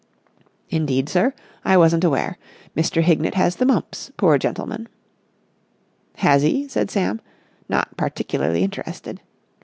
"Indeed, sir? I wasn't aware. Mr. Hignett has the mumps, poor gentleman." "Has he?" said Sam, not particularly interested.